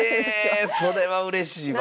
えそれはうれしいわ！